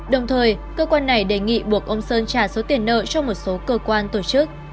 đồng thời cơ quan này đề nghị buộc ông sơn trả số tiền nợ cho một số cơ quan tổ chức